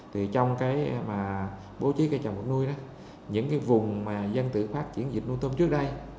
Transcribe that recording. trong bố trí cây trồng nuôi những vùng dân tự phát triển dịch nuôi tôm trước đây